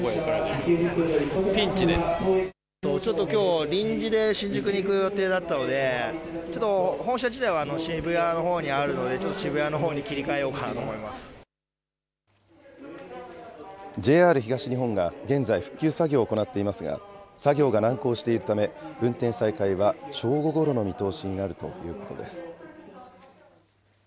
ちょっときょう、臨時で新宿に行く予定だったので、ちょっと本社自体は渋谷のほうにあるので、ちょっと渋谷のほうにＪＲ東日本が現在、復旧作業を行っていますが、作業が難航しているため、運転再開は正午ごろの見通しになるということです。